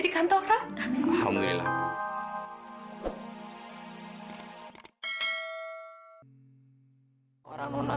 lajang umurnya nak